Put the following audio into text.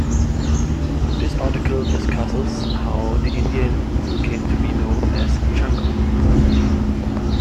This article discusses how the Indian came to be known as Chanco.